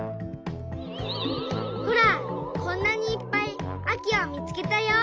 ほらこんなにいっぱいあきをみつけたよ！